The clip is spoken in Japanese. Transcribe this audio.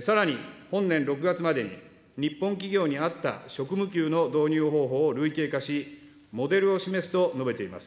さらに、本年６月までに日本企業に合った職務給の導入方法を類型化し、モデルを示すと述べています。